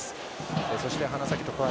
そして花咲徳栄